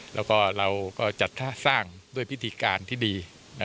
แล้วก็เราก็จัดสร้างด้วยพิธีการที่ดี